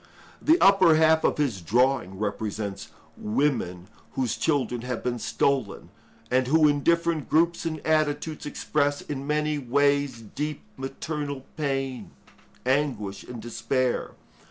The upper half of his drawing represents women whose children have been stolen, and who in different groups and attitudes, express in many ways deep maternal pain, anguish, and despair.